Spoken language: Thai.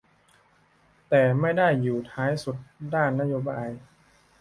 แต่ไม่ได้อยู่ท้ายสุดด้านนโยบาย